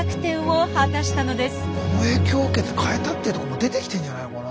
この影響を受けて変えたってとこも出てきてんじゃないのかな。